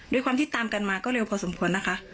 ด้วยความที่ตามกันมาก็เร็วพอสมควรนะคะ